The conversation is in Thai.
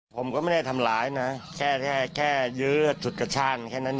ผมก็ไม่ได้ทำลายนะแค่แค่แค่ยื้อสุดกระชั่งแค่นั้นเอง